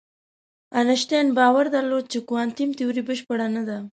انشتین باور درلود چې کوانتم تیوري بشپړه نه ده.